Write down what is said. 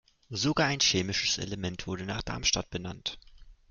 Sogar ein chemisches Element wurde nach Darmstadt benannt.